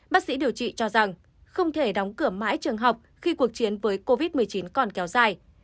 bác sĩ điều trị cho rằng không thể đóng cửa mãi trường học khi cuộc chiến với covid một mươi chín còn kéo dài